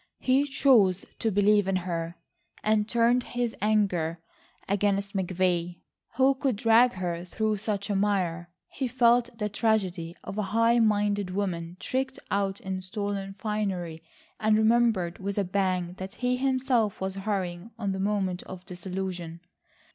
He chose to believe in her, and turned his anger against McVay, who could drag her through such a mire. He felt the tragedy of a high minded woman tricked out in stolen finery, and remembered with a pang that he himself was hurrying on the moment of disillusion.